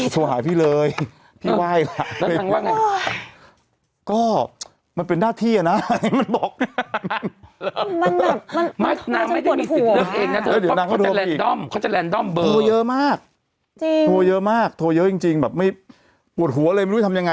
ตัวเยอะมากตัวเยอะจริงแบบไม่ปวดหัวเลยไม่รู้ทำยังไง